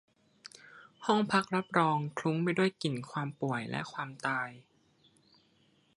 ห้องพักรับรองคลุ้งไปด้วยกลิ่นความป่วยและความตาย